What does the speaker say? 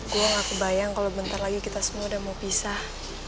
gue gak kebayang kalau bentar lagi kita semua udah mau pisah